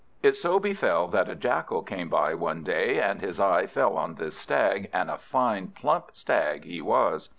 It so befell that a Jackal came by one day, and his eye fell on this Stag, and a fine plump Stag he was.